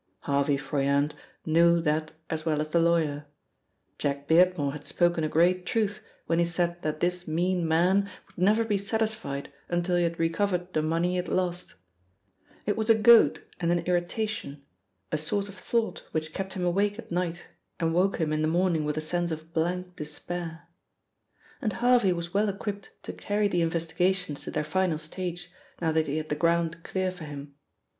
Harvey Froyant knew that as well as the lawyer. Jack Beardmore had spoken a great truth when he said that this mean man would never be satisfied until he had recovered the money he had lost. It was a goad and an irritation, a source of thought which kept him awake at night and woke him in the morning with a sense of blank despair. And Harvey was well equipped to carry the investigations to their final stage now that he had the ground clear for him.